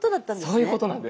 そういうことなんです。